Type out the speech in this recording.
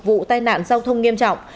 vụ tai nạn giao thông nghiêm trọng